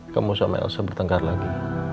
kamu sama elsa bertengkar lagi